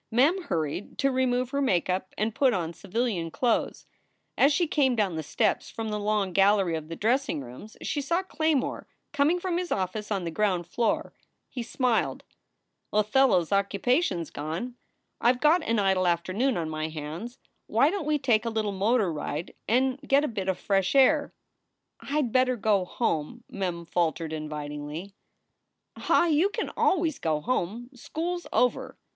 Mem hurried to remove her make up and put on civilian clothes. As she came down the steps from the long gallery of dressing rooms she saw Claymore coming from his office on the ground floor. He smiled. Othello s occupation s gone. I ve got an idle afternoon on my hands. Why don t we take a little motor ride and get a bit of fresh air?" "I d better go home," Mem faltered, invitingly. SOULS FOR SALE 277 "Ah, you can always go home. School s over.